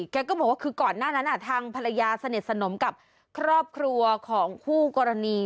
แกก็บอกว่าคือก่อนหน้านั้นทางภรรยาสนิทสนมกับครอบครัวของคู่กรณี